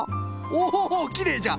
おおきれいじゃ。